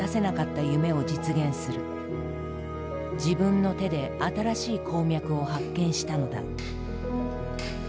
自分の手で新しい鉱脈を発見したのだ。